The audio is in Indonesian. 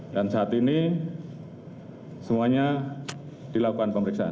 dan saat ini semuanya dilakukan pemeriksaan